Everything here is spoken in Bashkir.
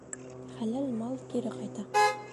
Хәләл мал кире ҡайта.